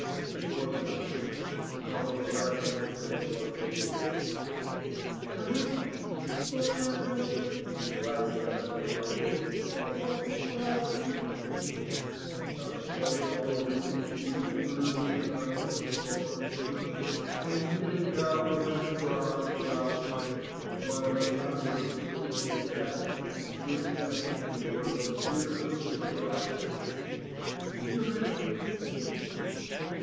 It was enough, — Karl's dreadful embassy was needless;—^ '* Edward 1 oh, my Edward !" cried the desolate girl, " have I lost him for ever, Phebe ?" Thus called upon, the weeping Phebe flew to the side of her form^ mistress, and kneeling down, wrapped het arms round her, while, re membering with equal affection and good sense the words of Juno, she replied, You have, my dearest mistress